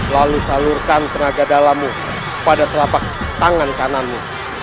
lalu salurkan tenaga dalammu pada telapak tangan kananmu